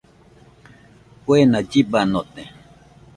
Kuena llibanote.